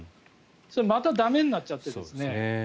また駄目になっちゃってですね。